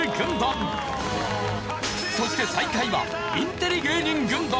そして最下位はインテリ芸人軍団。